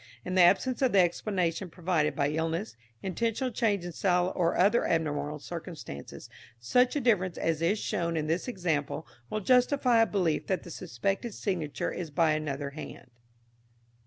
In the absence of the explanation provided by illness, intentional change in style or other abnormal circumstances, such a difference as is shown in this example will justify a belief that the suspected signature is by another hand.